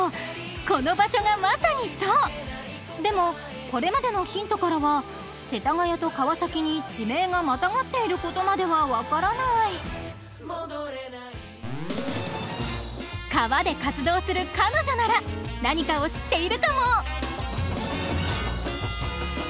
この場所がまさにそうでもこれまでのヒントからは世田谷と川崎に地名がまたがっていることまでは分からない川で活動する彼女なら何かを知っているかも！